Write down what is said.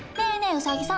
ウサギさん。